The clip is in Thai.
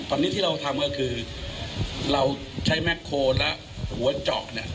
ตอนนี้ที่เราทำก็คือเราใช้แมคโฮและหัวเจาะเนี่ย